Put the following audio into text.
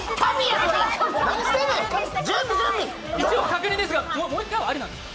確認ですが、もう一回はありなんですか？